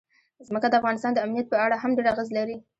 ځمکه د افغانستان د امنیت په اړه هم ډېر اغېز لري.